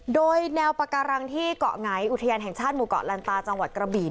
โดยแนวปาการังที่เกาะไงอุทยานแห่งชาติหมู่เกาะลันตาจังหวัดกระบี่